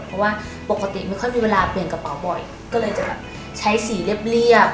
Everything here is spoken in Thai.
เพราะว่าปกติไม่ค่อยมีเวลาเปลี่ยนกระเป๋าบ่อยก็เลยจะแบบใช้สีเรียบ